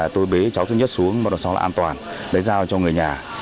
tôi bế cháu thứ nhất xuống sau đó là an toàn giao cho người nhà